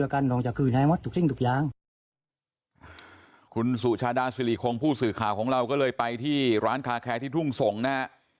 คุณสุชาดาสิริคงผู้สื่อข่าวของเราก็เลยไปที่ร้านคาแคร์ที่ทุ่งส่งนะฮะ